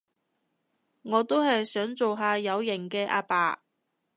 我都係想做下有型嘅阿爸